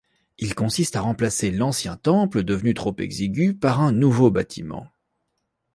Il consiste à remplacer l'ancien temple, devenu trop exigu, par un nouveau bâtiment.